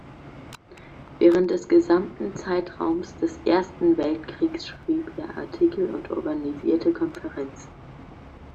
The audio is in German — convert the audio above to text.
Während des gesamten Zeitraums des Ersten Weltkriegs schrieb er Artikel und organisierte Konferenzen.